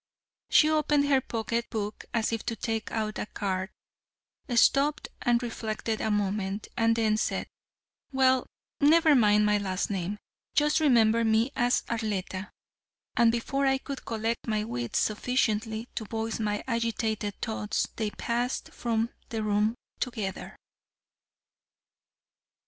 She opened her pocket book as if to take out a card, stopped and reflected a moment, and then said, "Well, never mind my last name; just remember me as Arletta," and before I could collect my wits sufficiently to voice my agitated thoughts they passed from the room together.